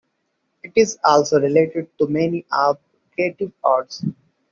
It is also related to many of the creative arts.